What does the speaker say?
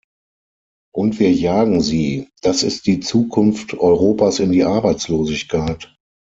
Und wir jagen sie das ist die Zukunft Europas in die Arbeitslosigkeit!